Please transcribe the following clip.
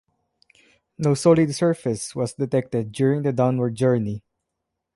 No solid surface was detected during the downward journey.